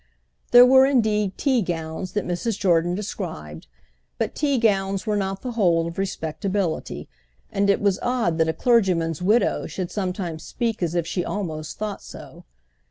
There were indeed tea gowns that Mrs. Jordan described—but tea gowns were not the whole of respectability, and it was odd that a clergyman's widow should sometimes speak as if she almost thought so.